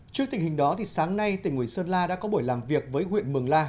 trước tình hình đó sáng nay tỉnh nguyễn sơn la đã có buổi làm việc với huyện mường la